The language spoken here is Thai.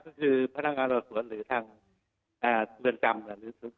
ก็คือพนักงานรัฐสวนหรือทางเบือนกรรม